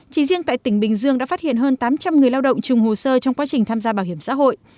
chỉ riêng tại tỉnh bình dương đã phát hiện hơn tám trăm linh người lao động trùng hồ sơ trong quá trình tham gia bảo hiểm xã hội